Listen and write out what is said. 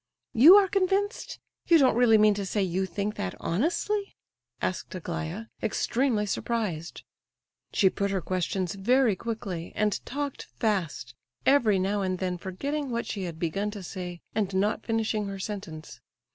"You are convinced? You don't really mean to say you think that honestly?" asked Aglaya, extremely surprised. She put her questions very quickly and talked fast, every now and then forgetting what she had begun to say, and not finishing her sentence.